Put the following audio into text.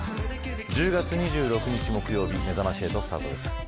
１０月２６日木曜日めざまし８スタートです。